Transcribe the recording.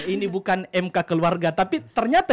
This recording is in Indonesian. ini bukan mk keluarga tapi ternyata